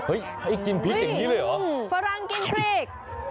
ข้าวเหมาะเกลียดอ้ะฝรั่งกินพริก